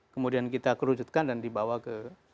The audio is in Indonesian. kemudian kita kerucutkan dan dibawa ke